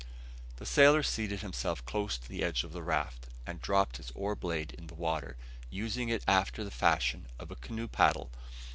The sailor seated himself close to the edge of the raft, and dropped his oar blade in the water, using it after the fashion of a canoe paddle.